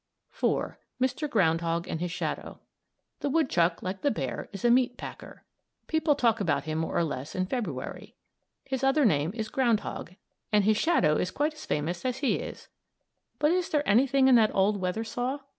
IV. MR. GROUND HOG AND HIS SHADOW The woodchuck, like the bear, is a "meat packer." People talk about him more or less in February. His other name is "ground hog" and his shadow is quite as famous as he is. But is there anything in that old weather saw?